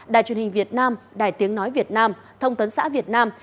đài truyền hình việt nam đài tiếng nói việt nam thông tấn xã việt nam